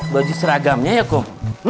baju seragamnya ya kum